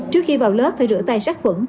trước khi vào lớp phải rửa tay sát phẩm